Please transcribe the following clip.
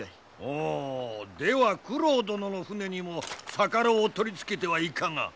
おおでは九郎殿の船にも逆艪を取り付けてはいかが。